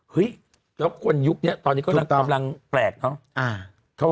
เฮ้ยแล้วคนยุคนี้ตอนนี้กำลังแปลกเนอะ